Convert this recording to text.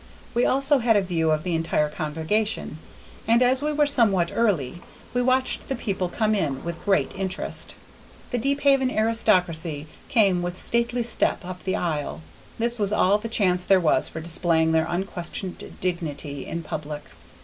We also had a view of the entire congregation, and as we were somewhat early, we watched the people come in, with great interest. The Deephaven aristocracy came with stately step up the aisle; this was all the chance there was for displaying their unquestioned dignity in public.